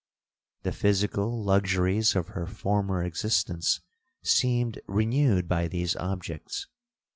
The physical luxuries of her former existence seemed renewed by these objects.